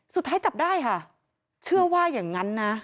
สุดท้ายจับได้ค่ะเชื่อว่าอย่างนั้นนะ